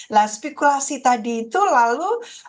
nah spekulasi tadi itu lalu